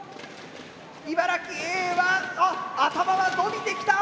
茨城Ａはあっ頭は伸びてきた！